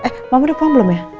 eh mbak udah pulang belum ya